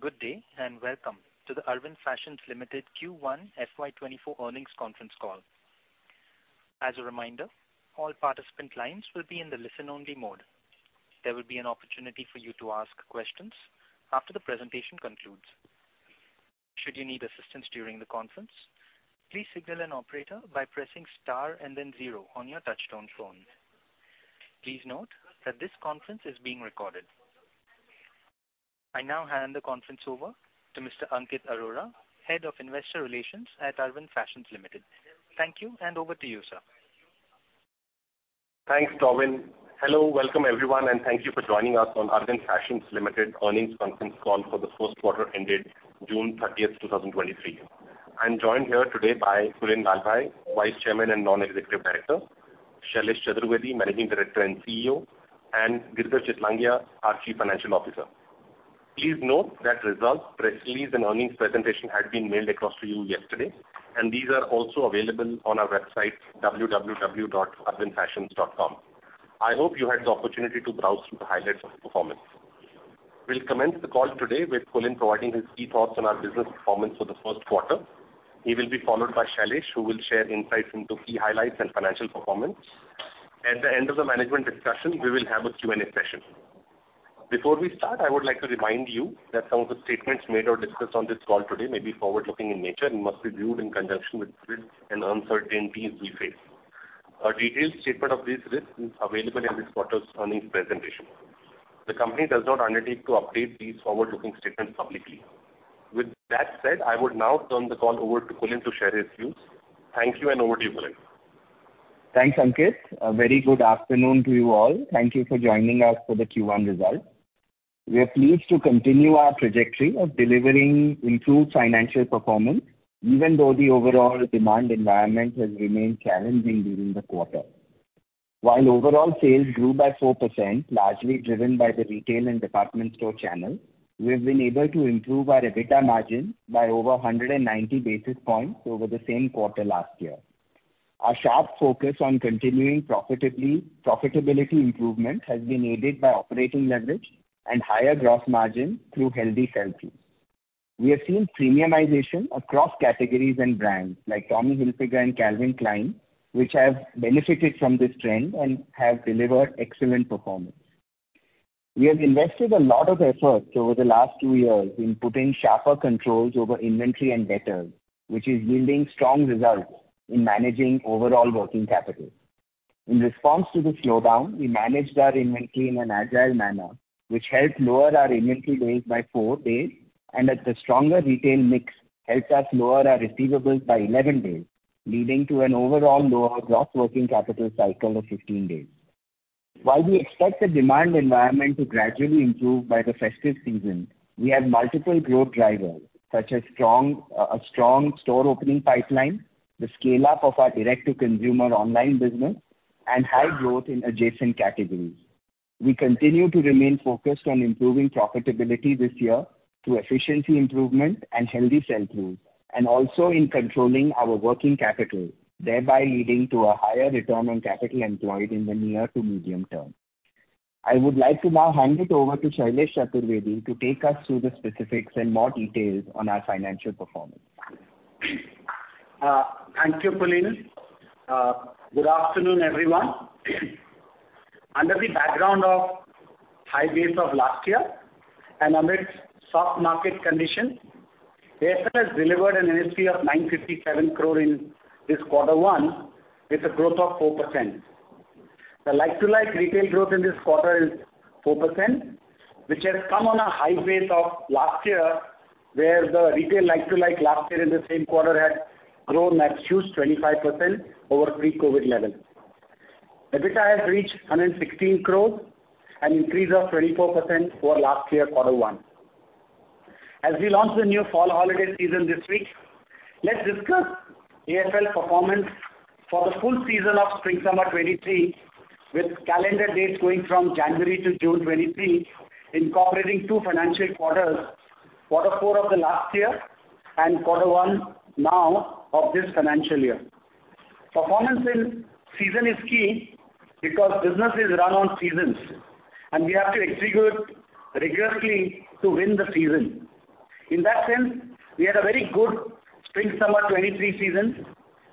Good day, and welcome to the Arvind Fashions Limited Q1 FY 2024 earnings conference call. As a reminder, all participant lines will be in the listen-only mode. There will be an opportunity for you to ask questions after the presentation concludes. Should you need assistance during the conference, please signal an operator by pressing Star and then zero on your touchtone phone. Please note that this conference is being recorded. I now hand the conference over to Mr. Ankit Arora, Head of Investor Relations at Arvind Fashions Limited. Thank you, and over to you, sir. Thanks, Tobin. Hello, welcome everyone, and thank you for joining us on Arvind Fashions Limited earnings conference call for the first quarter ended June 30, 2023. I'm joined here today by Kulin Lalbhai, Vice Chairman and Non-Executive Director; Shailesh Chaturvedi, Managing Director and CEO; and Girdhar Chitlangia, our Chief Financial Officer. Please note that results, press release, and earnings presentation had been mailed across to you yesterday, and these are also available on our website, www.arvindfashions.com. I hope you had the opportunity to browse through the highlights of the performance. We'll commence the call today with Kulin providing his key thoughts on our business performance for the first quarter. He will be followed by Shailesh, who will share insights into key highlights and financial performance. At the end of the management discussion, we will have a Q&A session. Before we start, I would like to remind you that some of the statements made or discussed on this call today may be forward-looking in nature and must be viewed in conjunction with risks and uncertainties we face. A detailed statement of these risks is available in this quarter's earnings presentation. The company does not undertake to update these forward-looking statements publicly. With that said, I would now turn the call over to Kulin to share his views. Thank you, and over to you, Kulin. Thanks, Ankit. A very good afternoon to you all. Thank you for joining us for the Q1 results. We are pleased to continue our trajectory of delivering improved financial performance, even though the overall demand environment has remained challenging during the quarter. While overall sales grew by 4%, largely driven by the retail and department store channel, we have been able to improve our EBITDA margin by over 190 basis points over the same quarter last year. Our sharp focus on continuing profitability improvement has been aided by operating leverage and higher gross margin through healthy sell-through. We have seen premiumization across categories and brands like Tommy Hilfiger and Calvin Klein, which have benefited from this trend and have delivered excellent performance. We have invested a lot of efforts over the last two years in putting sharper controls over inventory and debtors, which is yielding strong results in managing overall working capital. In response to the slowdown, we managed our inventory in an agile manner, which helped lower our inventory days by four days, and the stronger retail mix helped us lower our receivables by 11 days, leading to an overall lower gross working capital cycle of 15 days. While we expect the demand environment to gradually improve by the festive season, we have multiple growth drivers, such as strong, a strong store opening pipeline, the scale-up of our direct-to-consumer online business, and high growth in adjacent categories. We continue to remain focused on improving profitability this year through efficiency improvement and healthy sell-through, and also in controlling our working capital, thereby leading to a higher return on capital employed in the near to medium term. I would like to now hand it over to Shailesh Chaturvedi to take us through the specifics and more details on our financial performance. Thank you, Kulin. Good afternoon, everyone. Under the background of high base of last year and amidst soft market conditions, AFL delivered an NSP of 957 crore in this quarter 1, with a growth of 4%. The like-to-like retail growth in this quarter is 4%, which has come on a high base of last year, where the retail like-to-like last year in the same quarter had grown a huge 25% over pre-COVID level. EBITDA has reached 116 crore, an increase of 24% over last year, quarter 1. As we launch the new Fall/Holiday season this week, let's discuss AFL performance for the full season of Spring/Summer 2023, with calendar dates going from January to June 2023, incorporating two financial quarters, quarter 4 of the last year and quarter 1 now of this financial year. Performance in season is key because business is run on seasons. We have to execute rigorously to win the season. In that sense, we had a very good Spring/Summer 2023 season,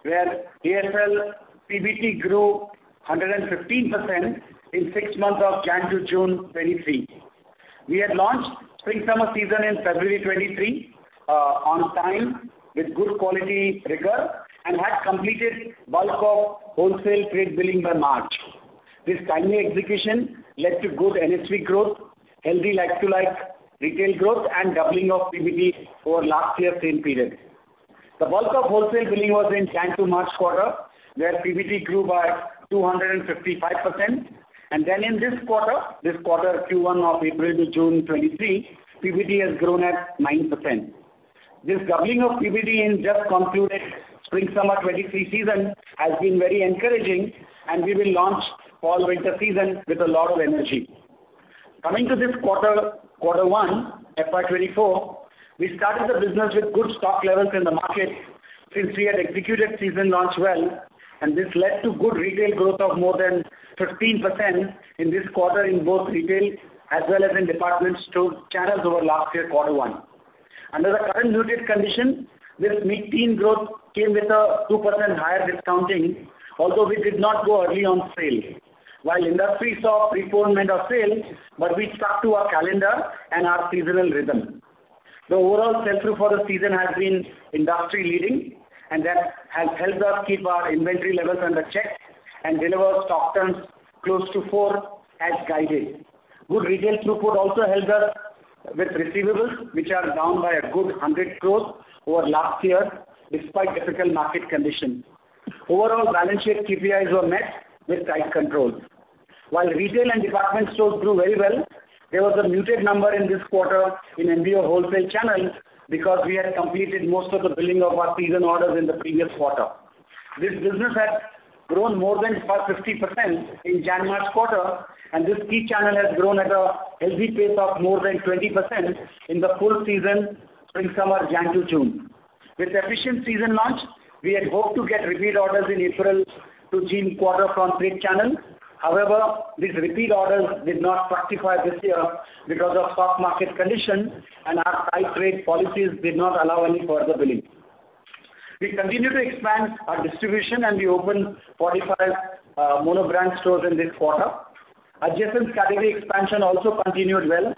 where AFL PBT grew 115% in 6 months of January to June 2023. We had launched Spring/Summer season in February 2023, on time, with good quality rigor, and had completed bulk of wholesale trade billing by March. This timely execution led to good NSP growth, healthy like-to-like retail growth, and doubling of PBT over last year's same period. The bulk of wholesale billing was in January to March quarter, where PBT grew by 255%. In this quarter, this quarter Q1 of April to June 2023, PBT has grown at 9%. This doubling of PBT in just concluded spring/summer 2023 season has been very encouraging. We will launch fall/Holiday season with a lot of energy. Coming to this quarter, Q1 FY 2024, we started the business with good stock levels in the market since we had executed season launch well. This led to good retail growth of more than 15% in this quarter in both retail as well as in department store channels over last year Q1. Under the current muted condition, this mid-teen growth came with a 2% higher discounting, although we did not go early on sale. While industry saw preponement of sales, but we stuck to our calendar and our seasonal rhythm. The overall sell-through for the season has been industry leading. That has helped us keep our inventory levels under check and deliver stock turns close to four as guided. Good retail throughput also helped us with receivables, which are down by a good 100 crore over last year, despite difficult market conditions. Overall, balance sheet KPIs were met with tight control. While retail and department stores grew very well, there was a muted number in this quarter in MBO wholesale channel because we had completed most of the billing of our season orders in the previous quarter. This business had grown more than 50% in January-March quarter. This key channel has grown at a healthy pace of more than 20% in the full season, Spring/Summer, January to June. With efficient season launch, we had hoped to get repeat orders in April to June quarter from this channel. These repeat orders did not materialize this year because of stock market conditions, and our tight trade policies did not allow any further billing. We continue to expand our distribution, we opened 45 monobrand stores in this quarter. Adjacent category expansion also continued well,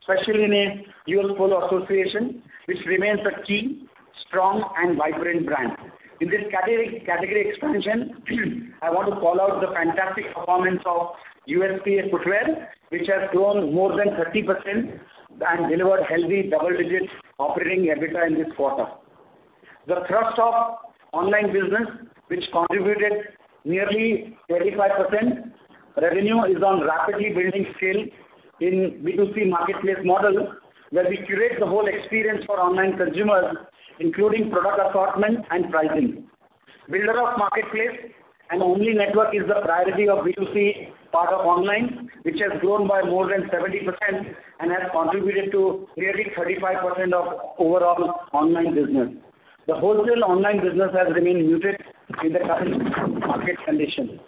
especially in a U.S. Polo Assn., which remains a key, strong, and vibrant brand. In this category, category expansion, I want to call out the fantastic performance of USPA footwear, which has grown more than 30% and delivered healthy double-digit operating EBITDA in this quarter. The thrust of online business, which contributed nearly 35% revenue, is on rapidly building scale in B2C marketplace model, where we curate the whole experience for online consumers, including product assortment and pricing. Builder of marketplace and only network is the priority of B2C part of online, which has grown by more than 70% and has contributed to nearly 35% of overall online business. The wholesale online business has remained muted in the current market condition.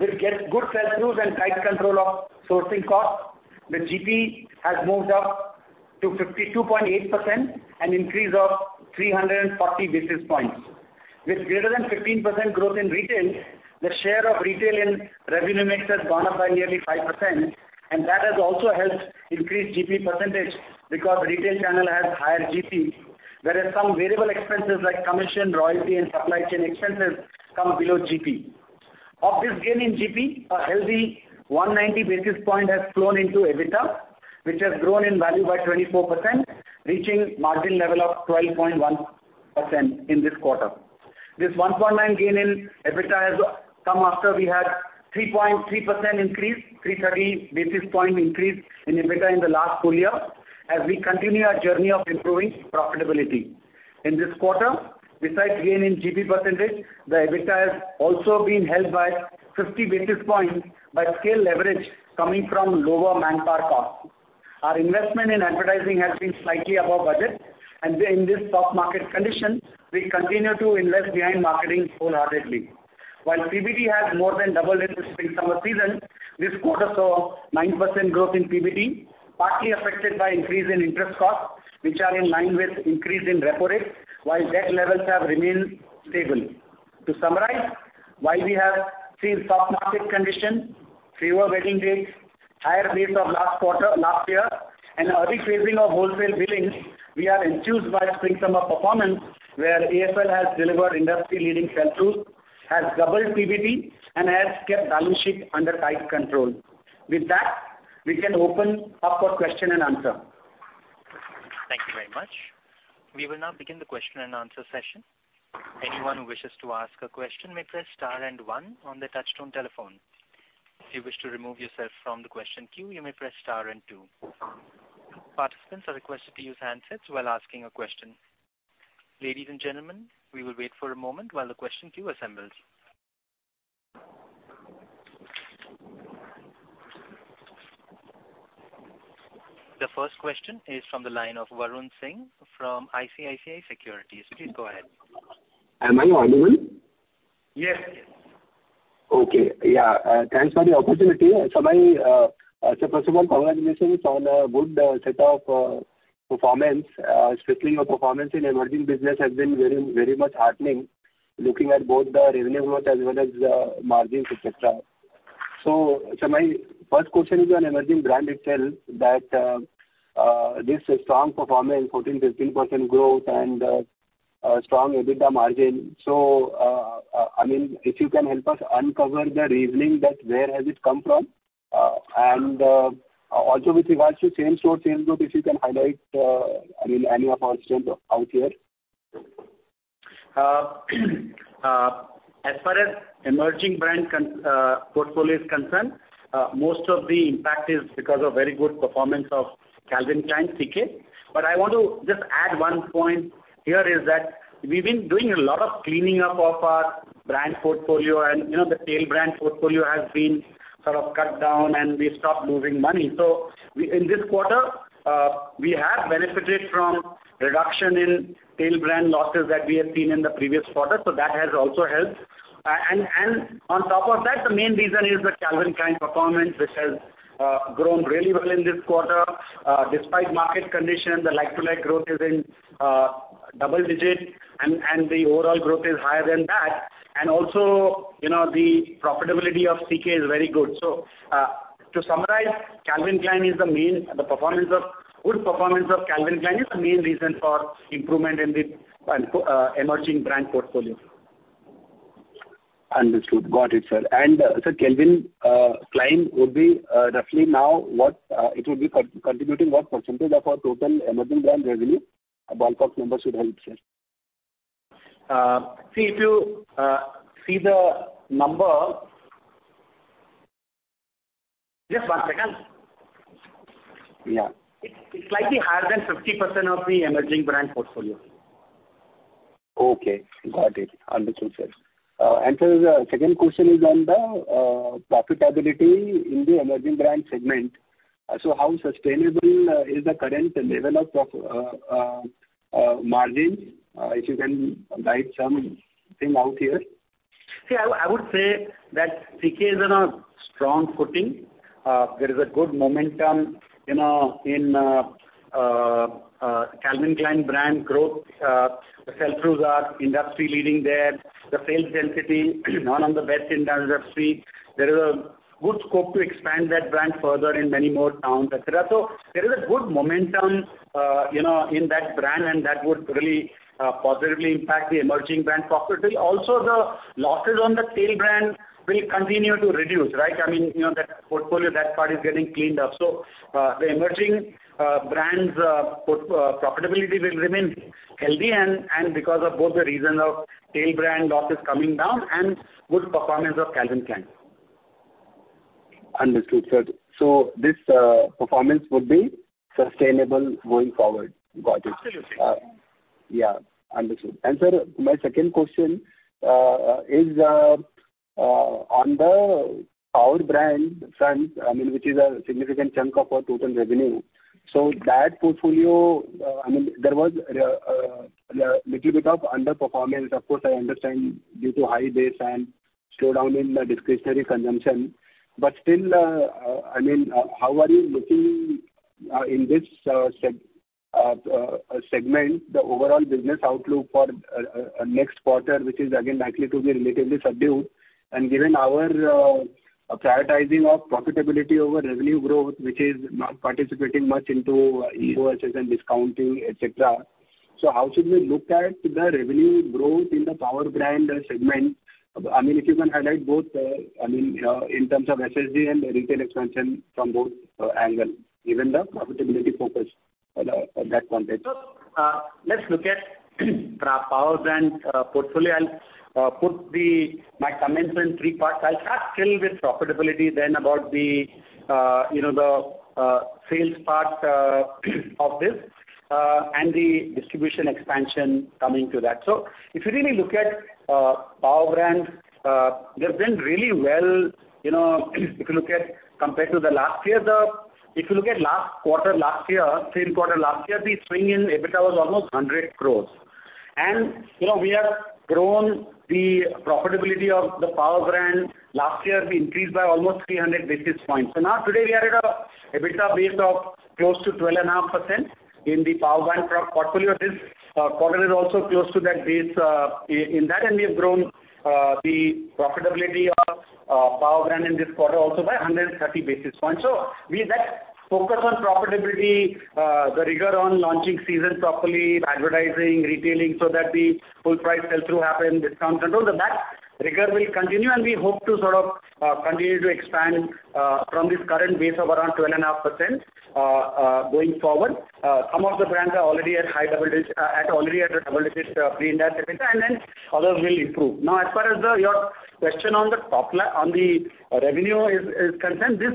With get good sell-throughs and tight control of sourcing costs, the GP has moved up to 52.8%, an increase of 340 basis points. Greater than 15% growth in retail, the share of retail in revenue mix has gone up by nearly 5%, and that has also helped increase GP % because retail channel has higher GP, whereas some variable expenses like commission, royalty, and supply chain expenses come below GP. Of this gain in GP, a healthy 190 basis point has flown into EBITDA, which has grown in value by 24%, reaching margin level of 12.1% in this quarter. This 1.9 gain in EBITDA has come after we had 3.3% increase, 330 basis point increase in EBITDA in the last full year, as we continue our journey of improving profitability. In this quarter, besides gain in GP percentage, the EBITDA has also been helped by 50 basis points by scale leverage coming from lower manpower costs. Our investment in advertising has been slightly above budget. In this stock market condition, we continue to invest behind marketing wholeheartedly. PBT had more than double digits in summer season, this quarter saw 9% growth in PBT, partly affected by increase in interest costs, which are in line with increase in repo rates, while debt levels have remained stable. To summarize, we have seen stock market conditions, slower wedding dates, higher base of last quarter, last year, and early phasing of wholesale billings, we are enthused by the spring, summer performance, where AFL has delivered industry-leading sell-through, has doubled PBT, and has kept balance sheet under tight control. We can open up for question and answer. Thank you very much. We will now begin the question and answer session. Anyone who wishes to ask a question may press star and one on the touchtone telephone. If you wish to remove yourself from the question queue, you may press star and two. Participants are requested to use handsets while asking a question. Ladies and gentlemen, we will wait for a moment while the question queue assembles. The first question is from the line of Varun Singh from ICICI Securities. Please go ahead. Am I audible? Yes. Okay. Yeah, thanks for the opportunity. My, so first of all, congratulations on a good set of performance. Especially your performance in emerging business has been very, very much heartening, looking at both the revenue growth as well as the margins, et cetera. So my first question is on emerging brand itself, that this strong performance, 14%, 15% growth and a strong EBITDA margin. I mean, if you can help us uncover the reasoning that where has it come from? And also with regards to same store, same growth, if you can highlight, I mean, any of our strengths out here. As far as emerging brand portfolio is concerned, most of the impact is because of very good performance of Calvin Klein, CK. I want to just add one point here is that we've been doing a lot of cleaning up of our brand portfolio, and, you know, the tail brand portfolio has been sort of cut down, and we stopped losing money. We in this quarter, we have benefited from reduction in tail brand losses that we have seen in the previous quarter, so that has also helped. On top of that, the main reason is the Calvin Klein performance, which has grown really well in this quarter. Despite market conditions, the like-to-like growth is in double-digit, and the overall growth is higher than that. Also, you know, the profitability of CK is very good. To summarize, Calvin Klein is the performance of, good performance of Calvin Klein is the main reason for improvement in the emerging brand portfolio. Understood. Got it, sir. Sir, Calvin Klein would be roughly now, what, it would be contributing what % of our total emerging brand revenue? A ballpark number should help, sir. See, if you, see the number. Just one second. Yeah. It's slightly higher than 50% of the emerging brand portfolio. Okay, got it. Understood, sir. Sir, the second question is on the profitability in the emerging brand segment. How sustainable is the current level of margins? If you can write something out here. See, I would say that CK is on a strong footing. There is a good momentum, you know, in Calvin Klein brand growth. The sell-throughs are industry-leading there. The sales density, one of the best in the industry. There is a good scope to expand that brand further in many more towns, et cetera. There is a good momentum, you know, in that brand, and that would really positively impact the emerging brand profitability. The losses on the tail brand will continue to reduce, right? I mean, you know, that portfolio, that part is getting cleaned up. The emerging brands profitability will remain healthy and because of both the reason of tail brand losses coming down and good performance of Calvin Klein. Understood, sir. This performance would be sustainable going forward. Got it. Absolutely. Yeah, understood. Sir, my second question is on the power brand front, I mean, which is a significant chunk of our total revenue. That portfolio, I mean, there was a little bit of underperformance. Of course, I understand due to high base and slowdown in the discretionary consumption. Still, I mean, how are you looking in this segment, the overall business outlook for next quarter, which is again likely to be relatively subdued? Given our prioritizing of profitability over revenue growth, which is not participating much into EOSs and discounting, et cetera. How should we look at the revenue growth in the power brand segment? I mean, if you can highlight both, I mean, in terms of SSG and retail expansion from both, angle, given the profitability focus on, on that front end. Let's look at our power brand portfolio. I'll put my comments in three parts. I'll start still with profitability, then about the, you know, the sales part of this and the distribution expansion coming to that. If you really look at power brand, they've done really well, you know, if you look at compared to the last year, if you look at last quarter, last year, same quarter last year, the swing in EBITDA was almost 100 crore. You know, we have grown the profitability of the power brand. Last year, we increased by almost 300 basis points. Now, today, we are at an EBITDA base of close to 12.5% in the power brand portfolio. This quarter is also close to that base in that. We have grown the profitability of power brand in this quarter also by 130 basis points. That focus on profitability, the rigor on launching seasons properly, the advertising, retailing, so that the full price sell-through happen, discount control, that rigor will continue. We hope to sort of continue to expand from this current base of around 12.5% going forward. Some of the brands are already at high double-digit at already at a double-digit pre-Ind AS EBITDA. Others will improve. As far as your question on the top line, on the revenue is concerned, this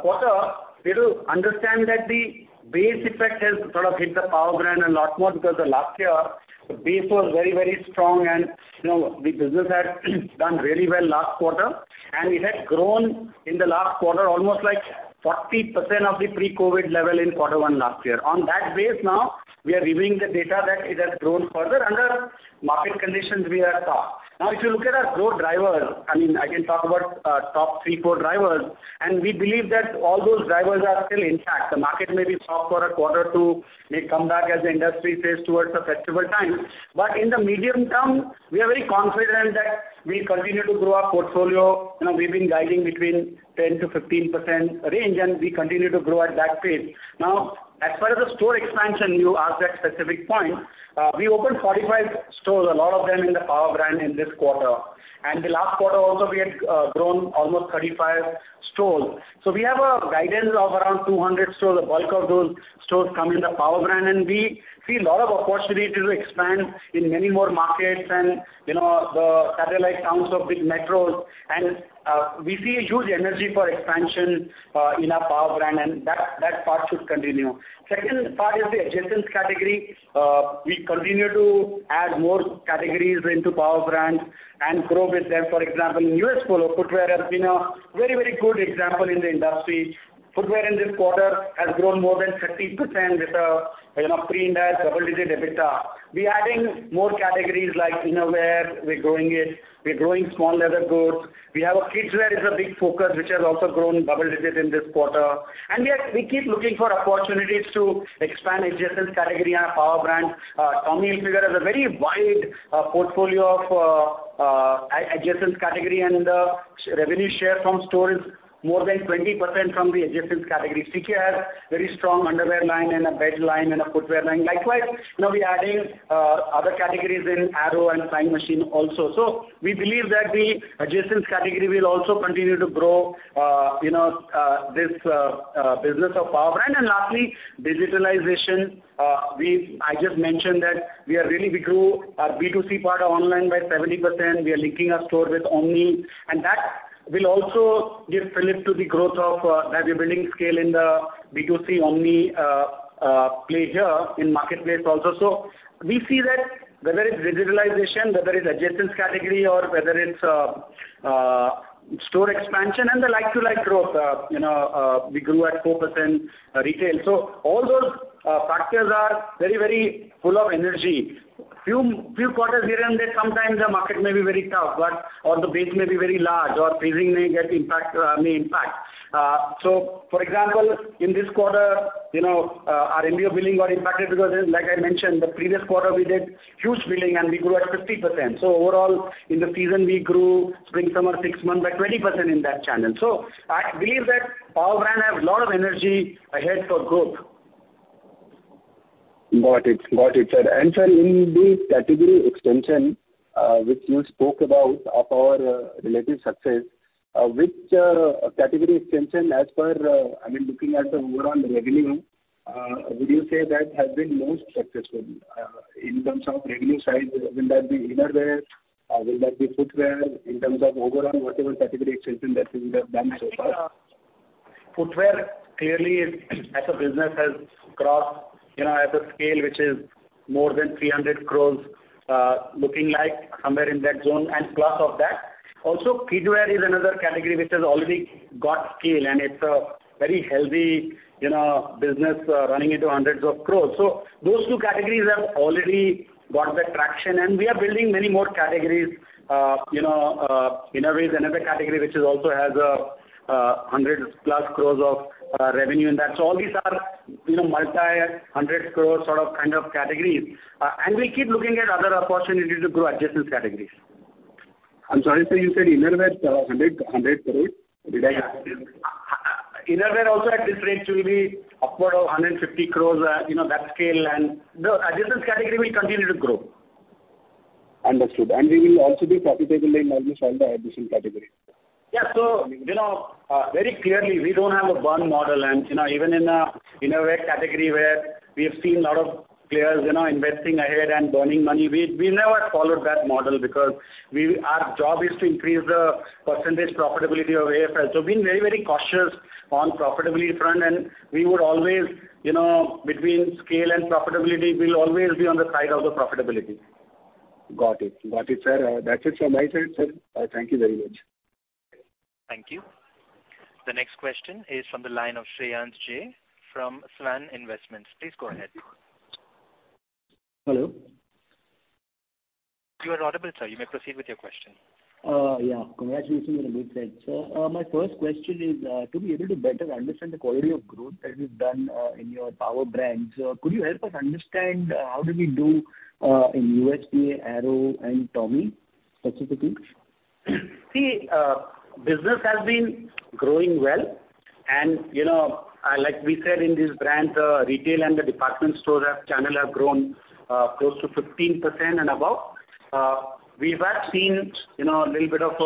quarter, we do understand that the base effect has sort of hit the power brand a lot more, because last year, the base was very, very strong, and, you know, the business had done really well last quarter. We had grown in the last quarter, almost like 40% of the pre-COVID level in Q1 last year. On that base now, we are reviewing the data that it has grown further under market conditions we are at par. If you look at our growth drivers, I mean, I can talk about top three, four drivers, and we believe that all those drivers are still intact. The market may be soft for a quarter or two, may come back as the industry says towards the festival time. In the medium term, we are very confident that we continue to grow our portfolio. You know, we've been guiding between 10%-15% range, and we continue to grow at that pace. As far as the store expansion, you asked that specific point, we opened 45 stores, a lot of them in the power brand, in this quarter. The last quarter also, we had grown almost 35 stores. We have a guidance of around 200 stores. A bulk of those stores come in the power brand, and we see a lot of opportunity to expand in many more markets and, you know, the satellite towns of big metros. We see huge energy for expansion in our power brand, and that, that part should continue. Second part is the adjacent category. We continue to add more categories into power brands and grow with them. For example, U.S. Polo Assn. footwear has been a very, very good example in the industry. Footwear in this quarter has grown more than 30% with a, you know, pre-Ind AS double-digit EBITDA. We adding more categories like innerwear, we're growing it. We're growing small leather goods. We have a kids-wear is a big focus, which has also grown double digit in this quarter. We keep looking for opportunities to expand adjacent category in our power brands. Tommy Hilfiger has a very wide portfolio of adjacent category, and the revenue share from store is more than 20% from the adjacent category. CK has very strong underwear line and a bed line and a footwear line. Likewise, now we're adding other categories in Arrow and Flying Machine also. We believe that the adjacent category will also continue to grow, you know, this business of power brand. Lastly, digitalization. I just mentioned that we are really, we grew our B2C part online by 70%. We are linking our store with Omni, that will also give fillip to the growth of that we're building scale in the B2C Omni play here in marketplace also. We see that whether it's digitalization, whether it's adjacent category, or whether it's store expansion and the like-to-like growth, we grew at 4% retail. All those factors are very, very full of energy. Few, few quarters here and there, sometimes the market may be very tough, or the base may be very large, or phasing may get impact, may impact. for example, in this quarter, you know, our MBO billing got impacted because, like I mentioned, the previous quarter, we did huge billing and we grew at 50%. Overall, in the season, we grew spring, summer, six months by 20% in that channel. I believe that our brand has a lot of energy ahead for growth. Got it. Got it, sir. Sir, in the category extension, which you spoke about of our relative success, which, category extension as per, I mean, looking at the overall revenue, would you say that has been most successful in terms of revenue size? Will that be innerwear, or will that be footwear, in terms of overall, whatever category extension that you have done so far? Footwear, clearly, as a business, has crossed, you know, as a scale, which is more than 300 crore, looking like somewhere in that zone and plus of that. Kids-wear is another category which has already got scale, and it's a very healthy, you know, business, running into hundreds of crore. Those two categories have already got the traction, and we are building many more categories. You know, inner-wears, another category, which is also has a, 100+ crore of revenue in that. All these are, you know, multi-INR hundred crore sort of, kind of categories, and we keep looking at other opportunities to grow adjacent categories. I'm sorry, sir, you said innerwear, 100 crore? Did I hear it? Innerwear also, at this rate, will be upward of 150 crore, you know, that scale, and the adjacent category will continue to grow. Understood. We will also be profitable in almost all the adjacent categories? You know, very clearly, we don't have a burn model. You know, even in a innerwear category where we have seen a lot of players, you know, investing ahead and burning money, we, we never followed that model because we, our job is to increase the percentage profitability of AFL. Being very, very cautious on profitability front, and we would always, you know, between scale and profitability, we'll always be on the side of the profitability. Got it. Got it, sir. That's it from my side, sir. Thank you very much. Thank you. The next question is from the line of Shreyansh Jain from Swan Investments. Please go ahead. Hello? You are audible, sir. You may proceed with your question. Yeah. Congratulations on a good set. My first question is, to be able to better understand the quality of growth that you've done in your power brands, could you help us understand how did we do in USPA, Arrow, and Tommy specifically? See, business has been growing well. You know, like we said in this brand, retail and the department store as channel have grown, close to 15% and above. We have seen, you know, a little bit of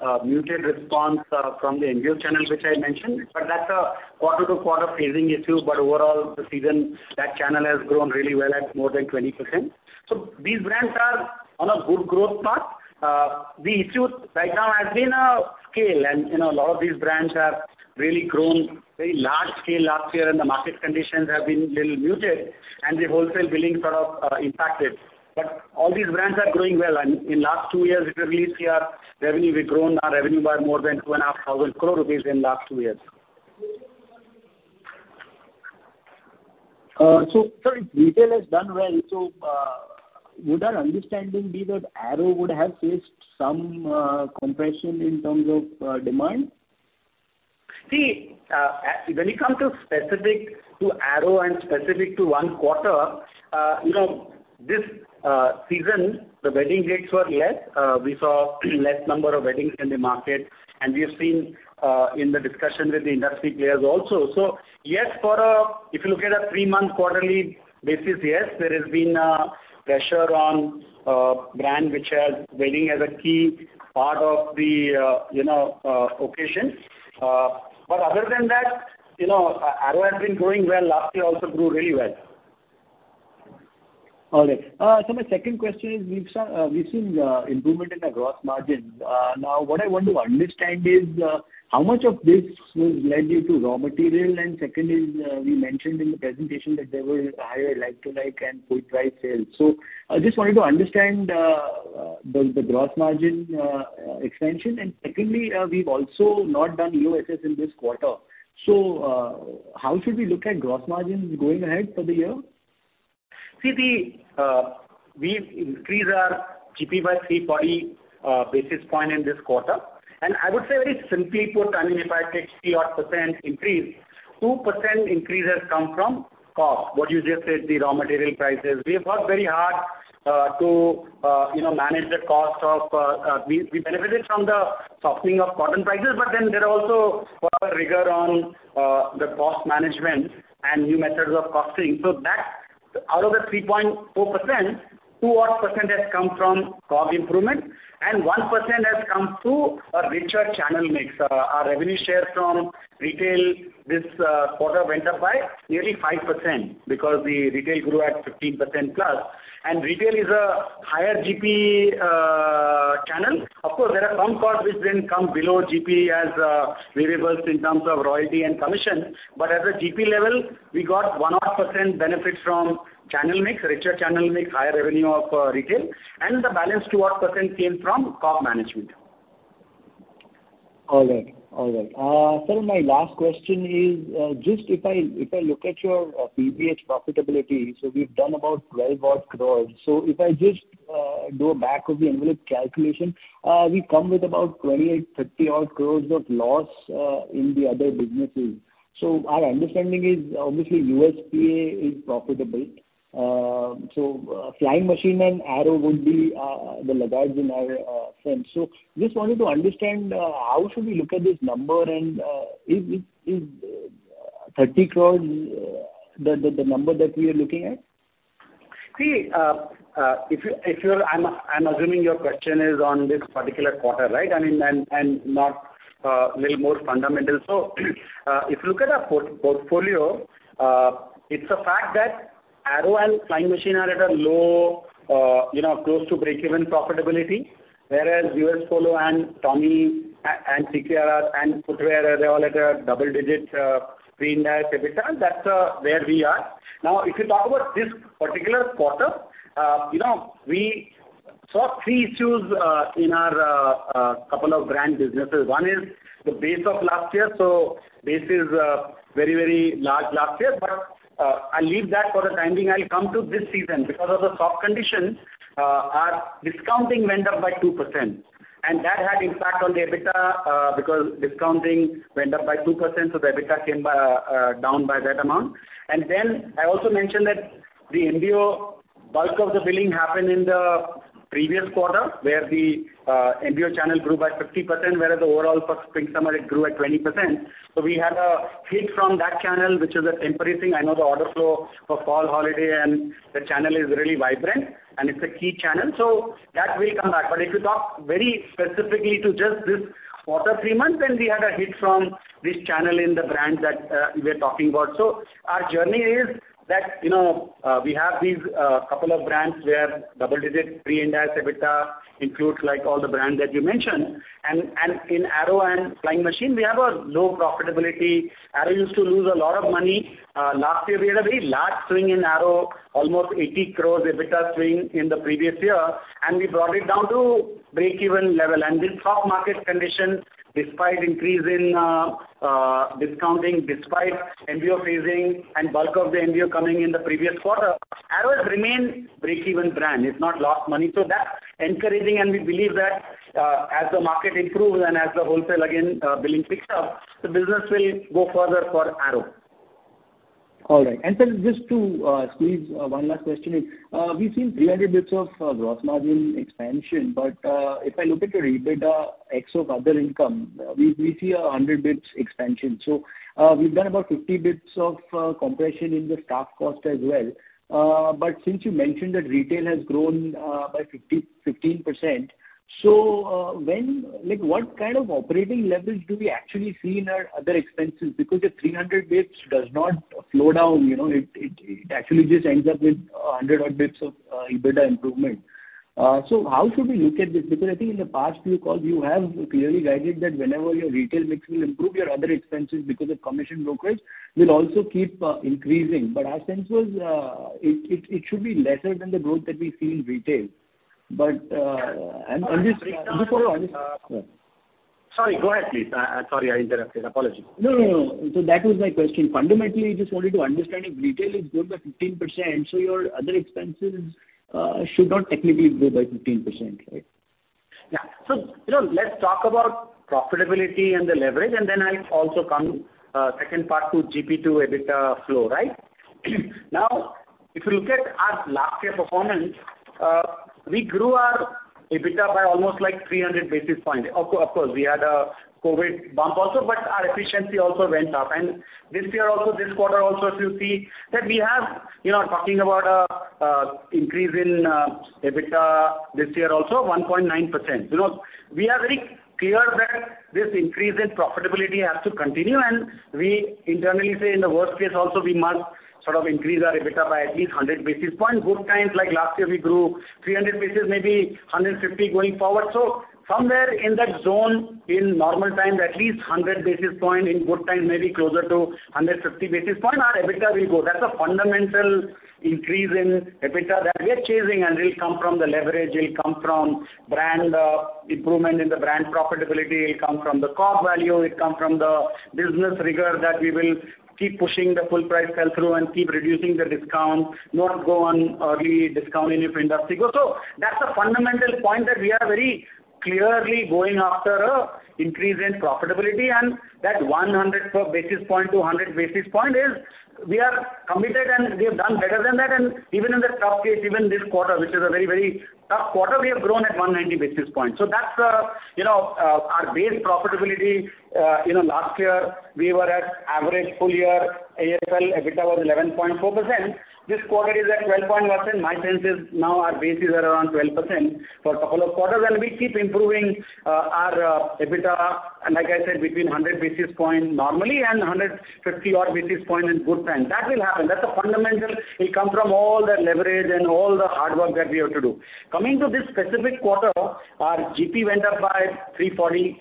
a muted response, from the MBO channel, which I mentioned, but that's a quarter-to-quarter phasing issue. Overall, the season, that channel has grown really well at more than 20%. These brands are on a good growth path. The issue right now has been, scale. You know, a lot of these brands have really grown very large scale last year, and the market conditions have been a little muted, and the wholesale billings are impacted. All these brands are growing well, and in last two years, if you really see our revenue, we've grown our revenue by more than 2,500 crore rupees in last two years. Sir, if retail has done well, would our understanding be that Arrow would have faced some compression in terms of demand? When it comes to specific to Arrow and specific to 1 quarter, you know, this season, the wedding dates were less. We saw less number of weddings in the market, and we have seen in the discussion with the industry players also. Yes, for a if you look at a 3-month quarterly basis, yes, there has been a pressure on brand which has wedding as a key part of the, you know, occasion. But other than that, you know, Arrow has been growing well. Last year, also grew really well. All right. My second question is, we've seen improvement in the gross margin. Now, what I want to understand is, how much of this was related to raw material? Second is, we mentioned in the presentation that there were higher like-to-like and full price sales. I just wanted to understand the gross margin expansion. Secondly, we've also not done EOSS in this quarter. How should we look at gross margins going ahead for the year? See, the, we've increased our GP by 3 point basis point in this quarter. I would say very simply put, I mean, if I take 3 odd % increase, 2% increase has come from cost, what you just said, the raw material prices. We've worked very hard to, you know, manage the cost of. We benefited from the softening of cotton prices, but then there are also further rigor on the cost management and new methods of costing. Out of the 3.4%, 2 odd % has come from cost improvement, and 1% has come through a richer channel mix. Our revenue share from retail this quarter went up by nearly 5%, because the retail grew at 15%+, and retail is a higher GP channel. Of course, there are some costs which then come below GP as variables in terms of royalty and commission, but at the GP level, we got 1 odd % benefit from channel mix, richer channel mix, higher revenue of retail, and the balance 2 odd % came from cost management. All right. All right. Sir, my last question is, just if I, if I look at your PVH profitability, so we've done about 12 odd crores. If I just do a back of the envelope calculation, we come with about 28, 30 odd crores of loss in the other businesses. Our understanding is, obviously, USPA is profitable. Flying Machine and Arrow would be the laggards in our sense. Just wanted to understand, how should we look at this number, and is, is, is 30 crores the, the, the number that we are looking at? See, if you I'm assuming your question is on this particular quarter, right? I mean, and not a little more fundamental. If you look at our portfolio, it's a fact that Arrow and Flying Machine are at a low, you know, close to breakeven profitability, whereas US Polo and Tommy, and CK, and footwear, they're all at a double-digit pre-Ind AS EBITDA. That's where we are. Now, if you talk about this particular quarter, you know, we saw three issues in our couple of brand businesses. One is the base of last year, so base is very, very large last year, but I'll leave that for the time being. I'll come to this season. Because of the soft conditions, our discounting went up by 2%, and that had impact on the EBITDA, because discounting went up by 2%, so the EBITDA came by down by that amount. I also mentioned that the MBO, bulk of the billing happened in the previous quarter, where the MBO channel grew by 50%, whereas the overall Spring/Summer, it grew at 20%. We had a hit from that channel, which is an encouraging. I know the order flow for Fall/Holiday and the channel is really vibrant, and it's a key channel, so that will come back. If you talk very specifically to just this quarter, three months, then we had a hit from this channel in the brands that we are talking about. Our journey is that, you know, we have these couple of brands where double-digit, pre-Ind AS EBITDA includes, like, all the brands that you mentioned. And in Arrow and Flying Machine, we have a low profitability. Arrow used to lose a lot of money. Last year, we had a very large swing in Arrow, almost 80 crore EBITDA swing in the previous year, and we brought it down to breakeven level. This top market condition, despite increase in discounting, despite MBO phasing and bulk of the MBO coming in the previous quarter, Arrow has remained breakeven brand. It's not lost money. That's encouraging, and we believe that as the market improves and as the wholesale, again, billing picks up, the business will go further for Arrow. All right. Then just to squeeze one last question is, we've seen 300 basis points of gross margin expansion, but if I look at your EBITDA, ex of other income, we, we see 100 basis points expansion. We've done about 50 basis points of compression in the staff cost as well. Since you mentioned that retail has grown by 15%, so, when like, what kind of operating levels do we actually see in our other expenses? Because the 300 basis points does not flow down, you know, it actually just ends up with 100 odd basis points of EBITDA improvement. How should we look at this? I think in the past few calls, you have clearly guided that whenever your retail mix will improve, your other expenses, because of commission brokerage, will also keep increasing. But our sense was, it should be lesser than the growth that we see in retail. But, and, and this. Sorry, go ahead, please. Sorry, I interrupted. Apology. No. That was my question. Fundamentally, just wanted to understand if retail is grown by 15%, so your other expenses, should not technically grow by 15%, right? Yeah. You know, let's talk about profitability and the leverage, and then I'll also come second part to GP to EBITDA flow, right? Now, if you look at our last year performance, we grew our EBITDA by almost, like, 300 basis points. Of course, we had a COVID bump also, but our efficiency also went up. This year also, this quarter also, if you see that we have, you know, talking about increase in EBITDA this year also, 1.9%. You know, we are very clear that this increase in profitability has to continue, and we internally say, in the worst case also, we must sort of increase our EBITDA by at least 100 basis points. Good times, like last year, we grew 300 basis, maybe 150 going forward. Somewhere in that zone, in normal times, at least 100 basis points, in good times, maybe closer to 150 basis points, our EBITDA will go. That's a fundamental increase in EBITDA that we are chasing, and it'll come from the leverage, it'll come from brand improvement in the brand profitability, it'll come from the core value, it come from the business rigor that we will keep pushing the full price sell-through and keep reducing the discount, not go on early discount in your industry go. That's a fundamental point, that we are very clearly going after a increase in profitability, and that 100 per basis point to 100 basis points is we are committed, and we have done better than that. Even in the tough case, even this quarter, which is a very, very tough quarter, we have grown at 190 basis points. That's, you know, our base profitability, you know, last year, we were at average full year, AFL, EBITDA was 11.4%. This quarter is at 12.0%. My sense is now our bases are around 12% for a couple of quarters, and we keep improving our EBITDA, and like I said, between 100 basis points normally and 150 odd basis points in good time. That will happen. That's a fundamental. It come from all the leverage and all the hard work that we have to do. Coming to this specific quarter, our GP went up by 340%,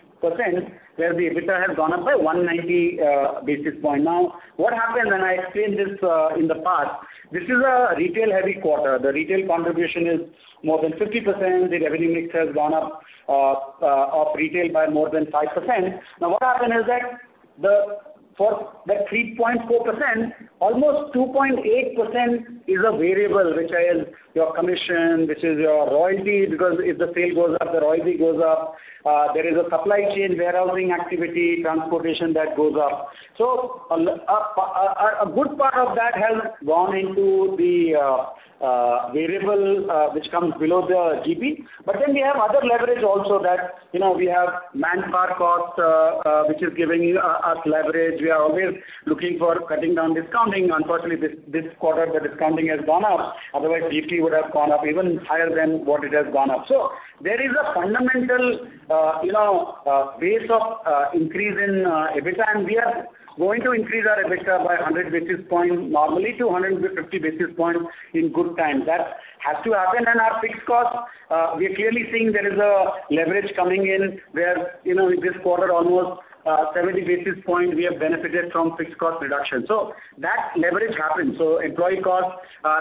where the EBITDA has gone up by 190 basis points. Now, what happened, and I explained this in the past, this is a retail-heavy quarter. The retail contribution is more than 50%. The revenue mix has gone up, of retail by more than 5%. What happened is that for the 3.4%, almost 2.8% is a variable which is your commission, which is your royalty, because if the sale goes up, the royalty goes up. There is a supply chain, warehousing activity, transportation that goes up. A good part of that has gone into the variable, which comes below the GP. We have other leverage also that, you know, we have manpower costs, which is giving us leverage. We are always looking for cutting down discounting. Unfortunately, this, this quarter, the discounting has gone up, otherwise GP would have gone up even higher than what it has gone up. There is a fundamental, you know, base of increase in EBITDA, and we are going to increase our EBITDA by 100 basis points normally to 150 basis points in good times. That has to happen. Our fixed costs, we are clearly seeing there is a leverage coming in where, you know, in this quarter, almost 70 basis points we have benefited from fixed cost reduction. That leverage happens. Employee costs,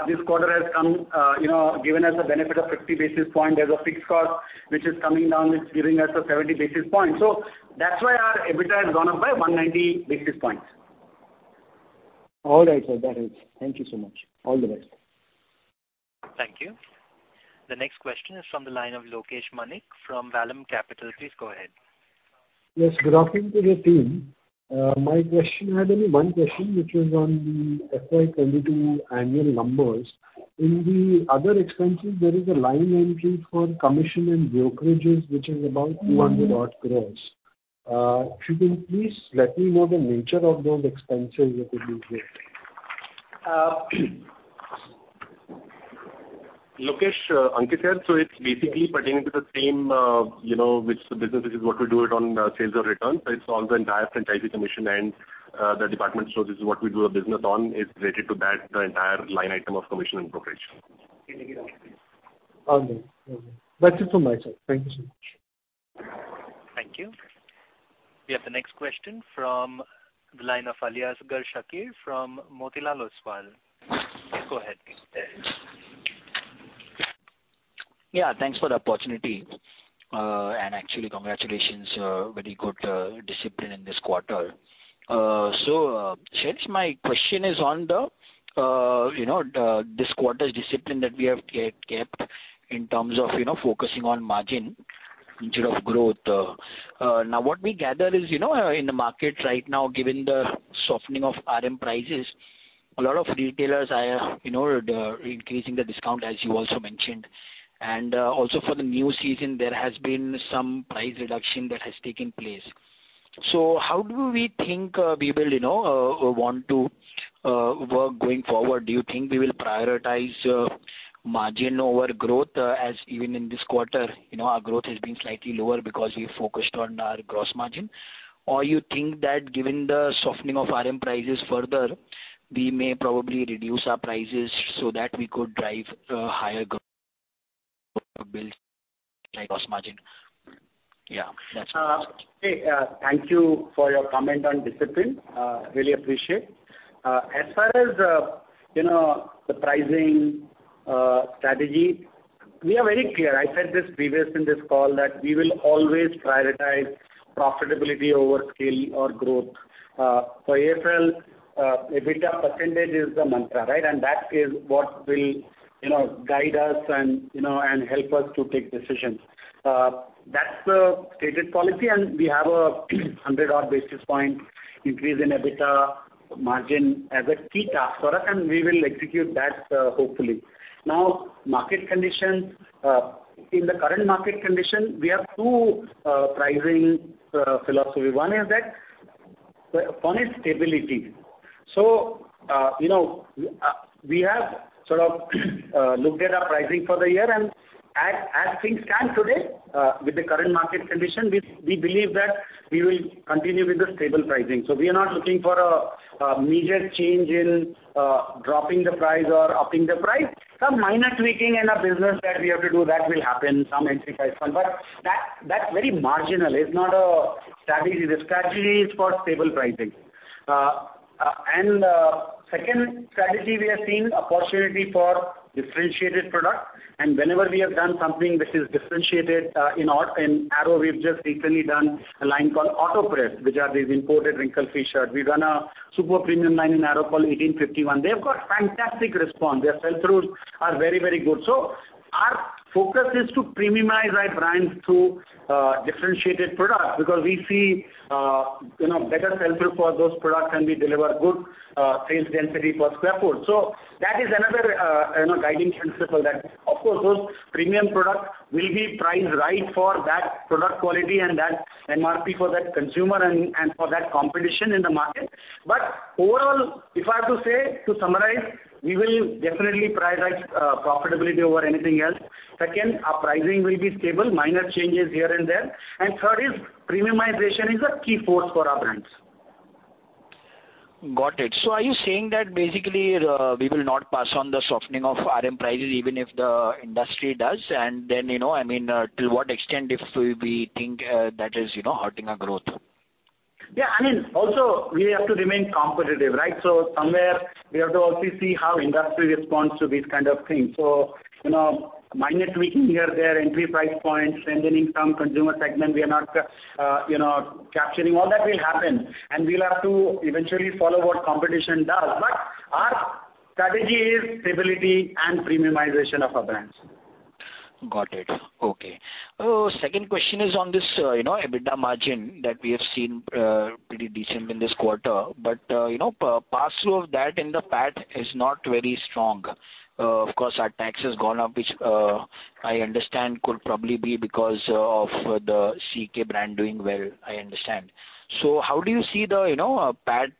this quarter has come, you know, given us a benefit of 50 basis points as a fixed cost, which is coming down, it's giving us a 70 basis points. That's why our EBITDA has gone up by 190 basis points. All right, sir, that helps. Thank you so much. All the best. Thank you. The next question is from the line of Lokesh Manik from Vallum Capital. Please go ahead. Yes, good afternoon to the team. My question, I have only one question, which is on the FY 2022 annual numbers. In the other expenses, there is a line entry for commission and brokerages, which is about 200 odd crore. If you can please let me know the nature of those expenses, that will be great. Lokesh, Ankit here. It's basically pertaining to the same, you know, which the business, which is what we do it on, sales or returns. It's all the entire franchise commission and the department stores is what we do a business on. It's related to that, the entire line item of commission and brokerage. Okay. That's it from my side. Thank you so much. Thank you. We have the next question from the line of Aliasgar Shakir from Motilal Oswal. Go ahead, please. Yeah, thanks for the opportunity, actually congratulations, very good discipline in this quarter. Shailesh, my question is on the, you know, the this quarter's discipline that we have kept in terms of, you know, focusing on margin instead of growth. Now, what we gather is, you know, in the market right now, given the softening of RM prices, a lot of retailers are, you know, increasing the discount, as you also mentioned. Also for the new season, there has been some price reduction that has taken place. How do we think we will, you know, want to work going forward? Do you think we will prioritize margin over growth, as even in this quarter, you know, our growth has been slightly lower because we focused on our gross margin? You think that given the softening of RM prices further, we may probably reduce our prices so that we could drive a higher growth like gross margin? Yeah, that's- Thank you for your comment on discipline. Really appreciate. As far as, you know, the pricing strategy, we are very clear. I said this previous in this call that we will always prioritize profitability over scale or growth. For AFL, EBITDA percentage is the mantra, right? That is what will, you know, guide us and, you know, and help us to take decisions. That's the stated policy, and we have a 100 odd basis point increase in EBITDA margin as a key task for us, and we will execute that, hopefully. Now, market conditions. In the current market condition, we have two pricing philosophy. One is that, one is stability. You know, we have sort of looked at our pricing for the year, and as, as things stand today, with the current market condition, we, we believe that we will continue with the stable pricing. We are not looking for a major change in dropping the price or upping the price. Some minor tweaking in our business that we have to do, that will happen, some entry price point, but that, that's very marginal. It's not a strategy. The strategy is for stable pricing. Second strategy, we are seeing opportunity for differentiated product, and whenever we have done something which is differentiated, in Arrow, we've just recently done a line called Auto Press, which are these imported wrinkle-free shirts. We've done a super premium line in Arrow called 1851. They've got fantastic response. Their sell-throughs are very, very good. Our focus is to premiumize our brands through differentiated products, because we see, you know, better sell-through for those products, and we deliver good sales density per square foot. That is another, you know, guiding principle that, of course, those premium products will be priced right for that product quality and that MRP for that consumer and for that competition in the market. Overall, if I have to say, to summarize, we will definitely prioritize profitability over anything else. Second, our pricing will be stable, minor changes here and there. Third is, premiumization is a key force for our brands. Got it. Are you saying that basically, we will not pass on the softening of RM prices, even if the industry does? You know, I mean, to what extent if we, we think, that is, you know, hurting our growth? Yeah, I mean, also, we have to remain competitive, right? Somewhere, we have to also see how industry responds to these kind of things. You know, minor tweaking here, there, entry price points, strengthening some consumer segment we are not, you know, capturing, all that will happen, and we'll have to eventually follow what competition does. Strategy is stability and premiumization of our brands. Got it. Okay. Second question is on this, you know, EBITDA margin that we have seen, pretty decent in this quarter. You know, pass-through of that in the PAT is not very strong. Of course, our tax has gone up, which, I understand could probably be because, of the CK brand doing well, I understand. How do you see the, you know, PAT,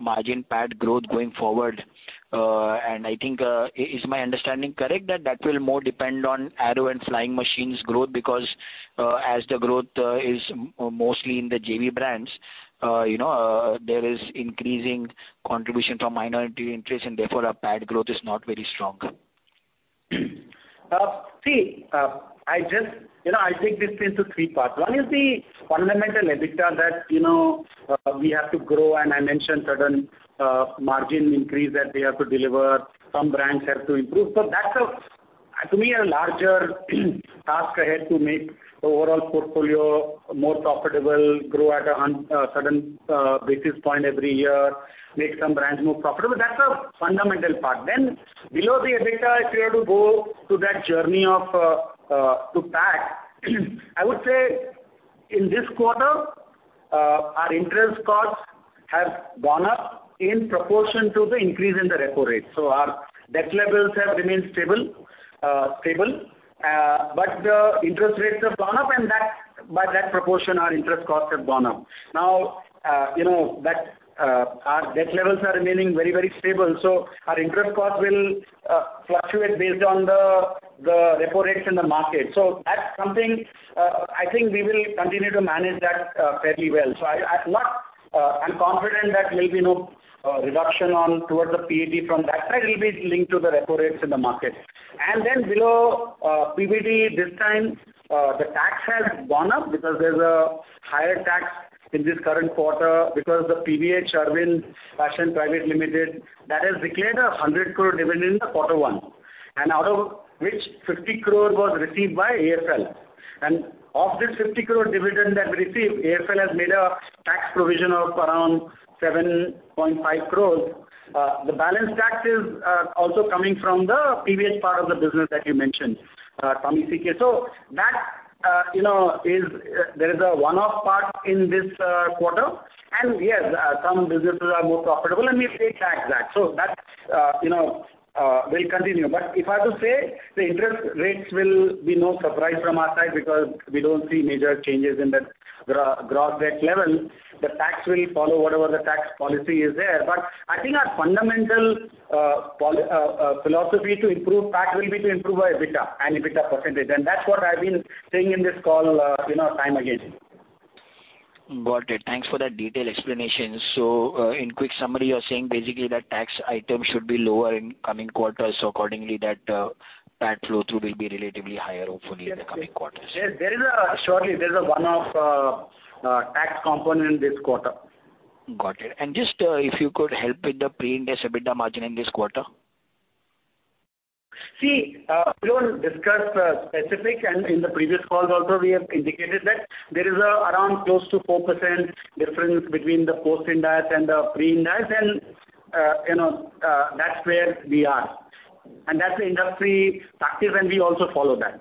margin, PAT growth going forward? I think, is my understanding correct, that that will more depend on Arrow and Flying Machine growth? Because, as the growth, is mostly in the JV brands, you know, there is increasing contribution from minority interest, and therefore, our PAT growth is not very strong. See, you know, I'll take this into three parts. One is the fundamental EBITDA that, you know, we have to grow, and I mentioned certain margin increase that we have to deliver, some brands have to improve. That's a, to me, a larger task ahead to make the overall portfolio more profitable, grow at a certain basis point every year, make some brands more profitable. That's the fundamental part. Below the EBITDA, if you have to go to that journey of to PAT, I would say in this quarter, our interest costs have gone up in proportion to the increase in the repo rate. Our debt levels have remained stable, stable, but the interest rates have gone up, and that by that proportion, our interest costs have gone up. You know, that our debt levels are remaining very, very stable, so our interest cost will fluctuate based on the repo rates in the market. That's something, I think we will continue to manage that fairly well. I, I'm not... I'm confident that there will be no reduction on towards the PBT from that side. It will be linked to the repo rates in the market. Then below PBT, this time, the tax has gone up because there's a higher tax in this current quarter because the PVH Arvind Fashion Private Limited, that has declared a 100 crore dividend in the quarter one, and out of which 50 crore was received by AFL. Of this 50 crore dividend that we received, AFL has made a tax provision of around 7.5 crore. The balance tax is also coming from the PVH part of the business that you mentioned, from CK. That, you know, is there is a one-off part in this quarter. Yes, some businesses are more profitable, and we pay tax back. That's, you know, will continue. If I have to say, the interest rates will be no surprise from our side because we don't see major changes in the gross debt level. The tax will follow whatever the tax policy is there. I think our fundamental philosophy to improve PAT will be to improve our EBITDA and EBITDA percentage, and that's what I've been saying in this call, you know, time again. Got it. Thanks for that detailed explanation. In quick summary, you're saying basically that tax item should be lower in coming quarters, so accordingly, that, PAT flow-through will be relatively higher, hopefully, in the coming quarters. Yes, there is Surely, there is a one-off, tax component in this quarter. Got it. Just, if you could help with the Pre-Ind AS EBITDA margin in this quarter? See, we won't discuss, specific. In the previous calls also, we have indicated that there is a around close to 4% difference between the post-Ind AS and the pre-Ind AS, and, you know, that's where we are. That's the industry practice, and we also follow that.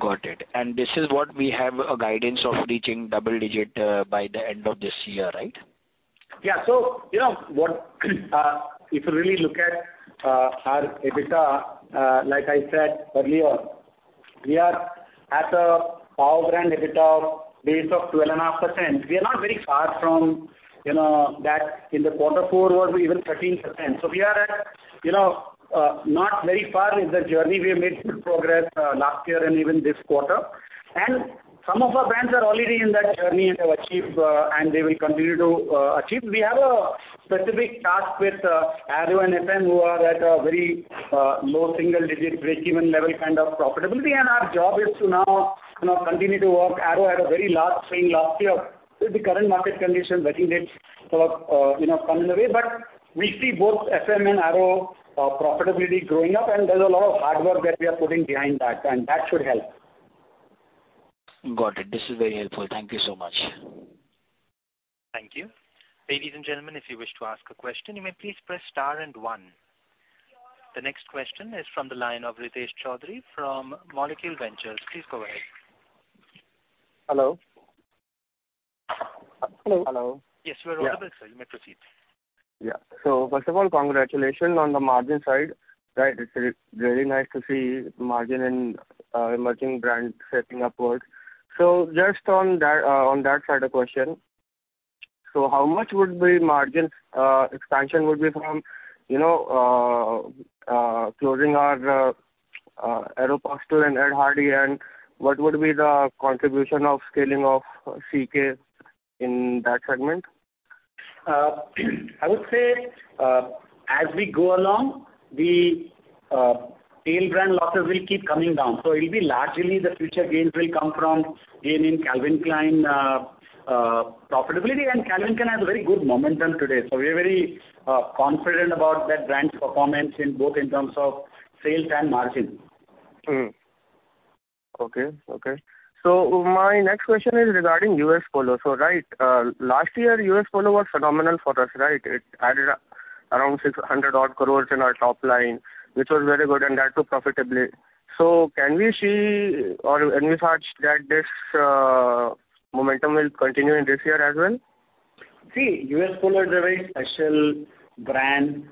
Got it. This is what we have a guidance of reaching double digit, by the end of this year, right? Yeah. You know, what, if you really look at our EBITDA, like I said earlier on, we are at a Powerbrand EBITDA base of 12.5%. We are not very far from, you know, that in the quarter four was even 13%. We are at, you know, not very far in the journey. We have made good progress last year and even this quarter. Some of our brands are already in that journey, and they've achieved, and they will continue to achieve. We have a specific task with Arrow and FM, who are at a very low single-digit, break-even level kind of profitability. Our job is to now, you know, continue to work. Arrow had a very large swing last year. With the current market conditions, I think it's, you know, come in the way. We see both FM and Arrow profitability growing up, and there's a lot of hard work that we are putting behind that, and that should help. Got it. This is very helpful. Thank you so much. Thank you. Ladies and gentlemen, if you wish to ask a question, you may please press star and one. The next question is from the line of Ritesh Chaudhary from Molecule Ventures. Please go ahead. Hello? Hello. Hello. Yes, you are audible, sir. You may proceed. Yeah. First of all, congratulations on the margin side, right? It's really nice to see margin and emerging brands shaping upwards. Just on that, on that side of question, how much would be margin expansion would be from, you know, closing our Aeropostale and Ed Hardy? And what would be the contribution of scaling of CK in that segment? I would say, as we go along, the tail brand losses will keep coming down. It'll be largely the future gains will come from gain in Calvin Klein profitability, and Calvin Klein has a very good momentum today. We are very confident about that brand's performance in both in terms of sales and margin. Okay, okay. My next question is regarding U.S. Polo Assn. Right, last year, U.S. Polo Assn. was phenomenal for us, right? It added up around 600 odd crore in our top line, which was very good, and that too, profitably. Can we see or any thoughts that this momentum will continue in this year as well? See, U.S. Polo is a very special brand.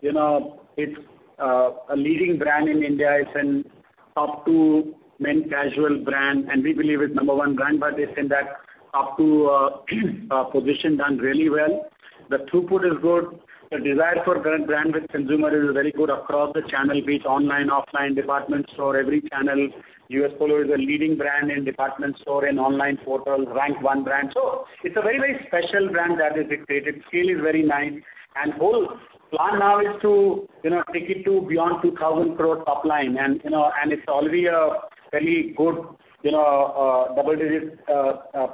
You know, it's a leading brand in India. It's an up to men casual brand, and we believe it's number one brand, but it's in that up to a position done really well. The throughput is good. The desire for current brand with consumer is very good across the channel, be it online, offline, department store, every channel. U.S. Polo is a leading brand in department store and online portal, ranked one brand. It's a very, very special brand that is created. Scale is very nice, and whole plan now is to, you know, take it to beyond 2,000 crore top line. You know, and it's already a very good, you know, double-digit,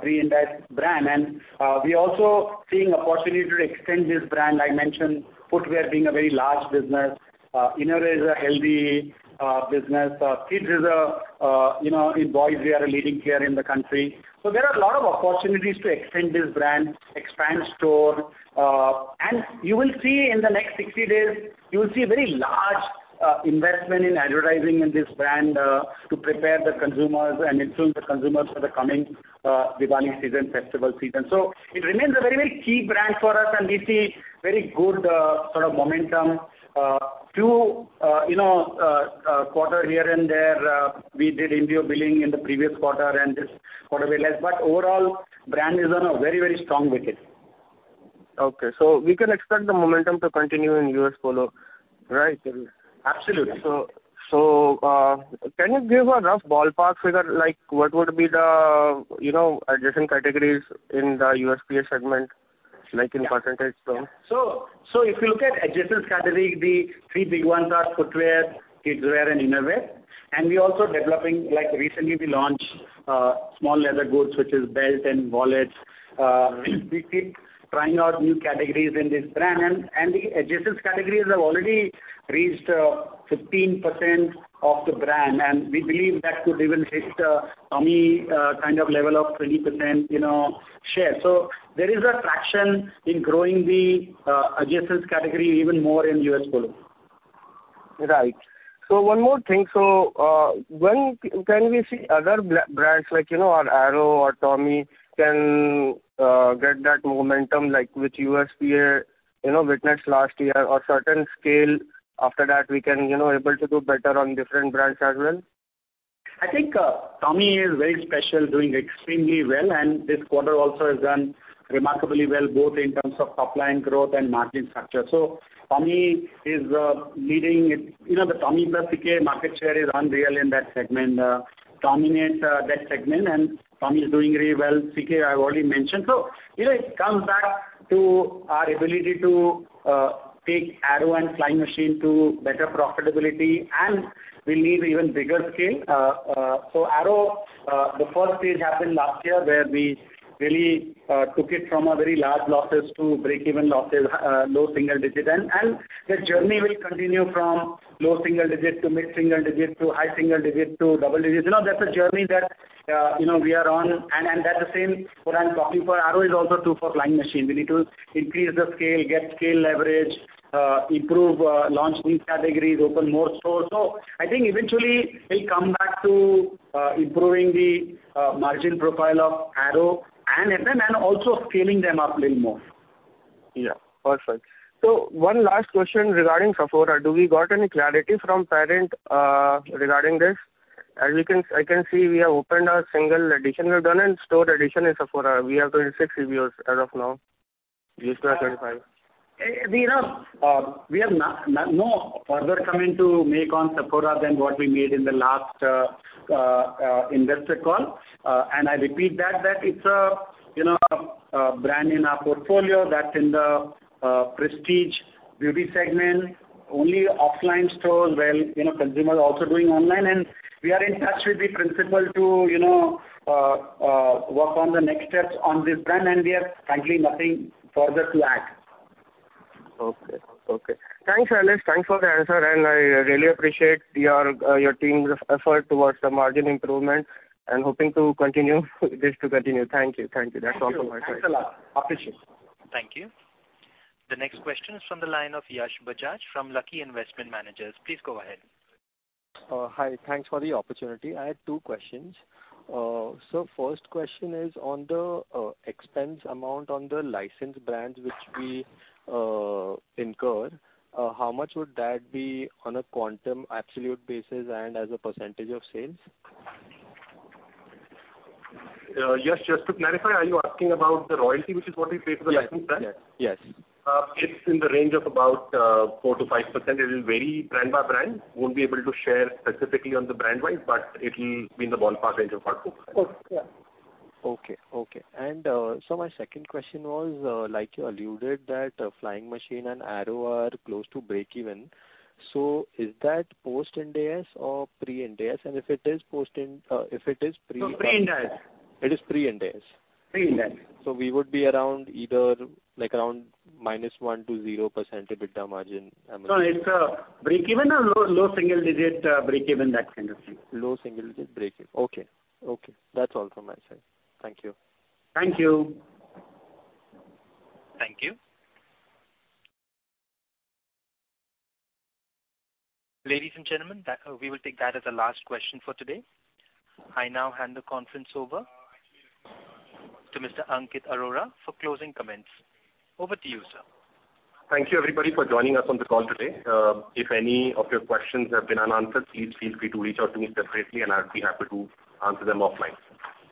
pre-Ind AS brand. We also seeing opportunity to extend this brand. I mentioned, footwear being a very large business, innerwear is a healthy business. Kids is a, you know, in boys, we are leading here in the country. There are a lot of opportunities to extend this brand, expand store. You will see in the next 60 days, you will see a very large investment in advertising in this brand to prepare the consumers and influence the consumers for the coming Diwali season, festival season. It remains a very, very key brand for us, and we see very good sort of momentum, 2, you know, quarter here and there. We did NBO billing in the previous quarter and this quarter be less. Overall, brand is on a very, very strong wicket. Okay, we can expect the momentum to continue in U.S. Polo, right? Absolutely. Can you give a rough ballpark figure, like, what would be the, you know, adjacent categories in the USPA segment, like in % terms? If you look at adjacent category, the 3 big ones are footwear, kidswear, and innerwear. We also developing, like recently, we launched small leather goods, which is belt and wallets. We keep trying out new categories in this brand. The adjacent categories have already reached 15% of the brand, and we believe that could even hit Tommy kind of level of 20%, you know, share. There is a traction in growing the adjacent category even more in U.S. Polo Assn. Right. One more thing. When can we see other brands like, you know, our Arrow or Tommy can get that momentum, like with USPA, you know, witnessed last year, or certain scale after that, we can, you know, able to do better on different brands as well? I think, Tommy is very special, doing extremely well, and this quarter also has done remarkably well, both in terms of top line growth and margin structure. Tommy is leading it. You know, the Tommy plus CK market share is unreal in that segment, dominates that segment, and Tommy is doing really well. CK, I've already mentioned. You know, it comes back to our ability to take Arrow and Flying Machine to better profitability, and we need even bigger scale. Arrow, the first phase happened last year, where we really took it from a very large losses to break even losses, low single digit. The journey will continue from low single digit to mid single digit, to high single digit, to double digit. You know, that's a journey that, you know, we are on, and that's the same, what I'm talking for Arrow is also true for Flying Machine. We need to increase the scale, get scale leverage, improve, launch new categories, open more stores. I think eventually we'll come back to improving the margin profile of Arrow and also scaling them up little more. Yeah, perfect. One last question regarding Sephora. Do we got any clarity from parent regarding this? I can see, we have opened a 1 additional store addition in Sephora. We have 26 reviews as of now, used to have 25. We have, we have no, no further comment to make on Sephora than what we made in the last investor call. I repeat that, that it's a, you know, a brand in our portfolio that's in the prestige beauty segment, only offline stores, where, you know, consumers are also doing online. We are in touch with the principal to, you know, work on the next steps on this brand, and we have frankly nothing further to add. Okay, okay. Thanks, Alex. Thanks for the answer, and I really appreciate your, your team's effort towards the margin improvement and hoping to continue this to continue. Thank you. Thank you. That's all from my side. Thanks a lot. Appreciate it. Thank you. The next question is from the line of Yash Bajaj from Lucky Investment Managers. Please go ahead. Hi. Thanks for the opportunity. I had 2 questions. First question is on the expense amount on the licensed brands, which we incur. How much would that be on a quantum absolute basis and as a percentage of sales? Yash, just to clarify, are you asking about the royalty, which is what we pay for the licensed brand? Yes, yes. It's in the range of about 4%-5%. It will vary brand by brand. Won't be able to share specifically on the brand wise, but it'll be in the ballpark range of four, four. Okay. My second question was, like you alluded, that, Flying Machine and Arrow are close to breakeven. Is that post-Ind AS or pre-Ind AS? If it is pre- pre-Ind AS. It is pre-Ind AS. Pre-Ind AS. we would be around either, like, around -1% to 0% EBITDA margin, I mean. No, it's a breakeven or low, low single digit, breakeven, that kind of thing. Low single digit breakeven. Okay, okay. That's all from my side. Thank you. Thank you. Thank you. Ladies and gentlemen, we will take that as the last question for today. I now hand the conference over to Mr. Ankit Arora for closing comments. Over to you, sir. Thank you, everybody, for joining us on the call today. If any of your questions have been unanswered, please feel free to reach out to me separately, and I'd be happy to answer them offline.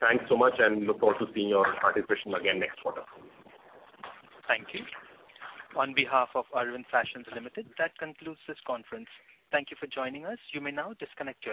Thanks so much, look forward to seeing your participation again next quarter. Thank you. On behalf of Arvind Fashions Limited, that concludes this conference. Thank you for joining us. You may now disconnect your-